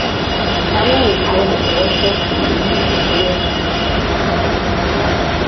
Powell was born in Norfolk, Virginia and grew up on Long Island.